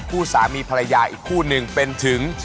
คู่สามีภรรยาอีกคู่หนึ่งเป็นถึง